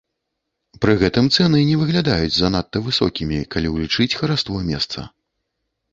Пры гэтым цэны не выглядаюць занадта высокімі, калі ўлічыць хараство месца.